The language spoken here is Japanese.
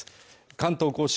関東甲信